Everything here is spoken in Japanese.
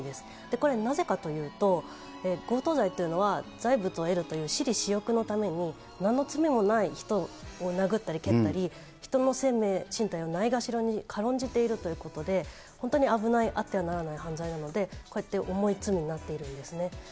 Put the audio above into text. これ、なぜかというと、強盗罪というのは財物を得るという私利私欲のために、なんの罪もない人を殴ったり蹴ったり、人の生命、身体をないがしろに軽んじているということで、本当に危ない、あってはならない犯罪なので、こうやって重い罪になっているんですね。